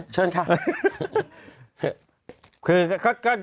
เชิญครับ